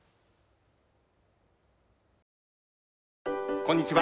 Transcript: こんにちは。